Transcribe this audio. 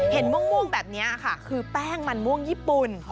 ม่วงแบบนี้ค่ะคือแป้งมันม่วงญี่ปุ่น